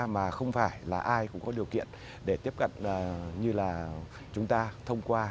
mà không phải là ai cũng có điều kiện để tiếp cận như là chúng ta thông qua